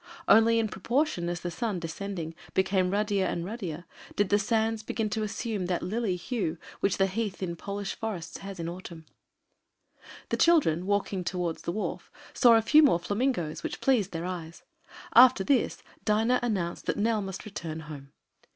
Only in proportion as the sun, descending, became ruddier and ruddier did the sands begin to assume that lily hue which the heath in Polish forests has in autumn. The children, walking towards the wharf, saw a few more flamingoes, which pleased their eyes. After this Dinah announced that Nell must return home.